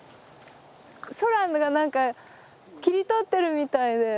空が何か切り取ってるみたいで。